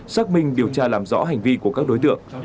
xác minh điều tra làm rõ hành vi của các đối tượng